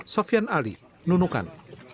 sofian ali nunukan